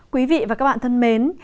quý vị và các bạn thân mến